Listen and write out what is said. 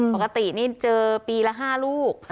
ปกตินี่เจอปีละ๕ลูก